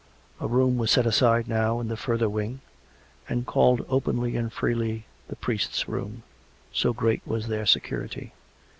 A room was set aside now, in the further wing, and called openly and freely the " priest's room," — so great was their security.